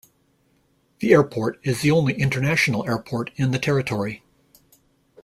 The airport is the only international airport in the territory.